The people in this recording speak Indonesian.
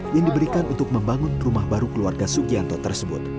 yang diberikan untuk membangun rumah baru keluarga sugianto tersebut